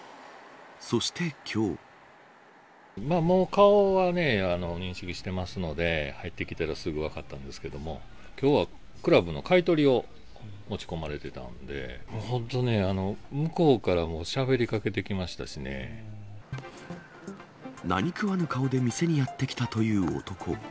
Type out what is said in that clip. もう顔はね、認識してますので、入ってきたらすぐ分かったんですけども、きょうはクラブの買い取りを持ち込まれてたので、本当ね、向こうからもう、何食わぬ顔で店にやって来たという男。